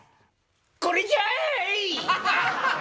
これじゃい！